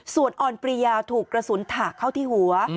ส่วนอ่อนปริยาถูกกระสุนถากเข้าที่หัว